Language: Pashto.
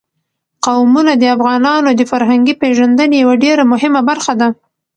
قومونه د افغانانو د فرهنګي پیژندنې یوه ډېره مهمه برخه ده.